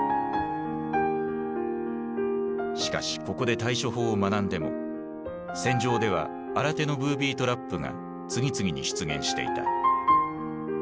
しかしここで対処法を学んでも戦場では新手のブービートラップが次々に出現していた。